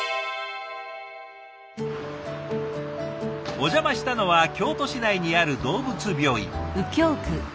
お邪魔したのは京都市内にある動物病院。